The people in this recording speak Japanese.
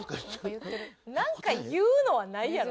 なんか言うのはないやろ。